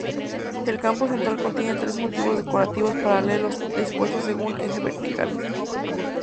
El campo central contiene tres motivos decorativos paralelos, dispuestos según ejes verticales.